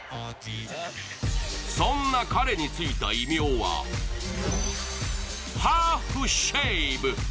そんな彼についた異名はハーフ・シェイブ。